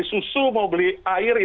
tapi anting banyingnya guard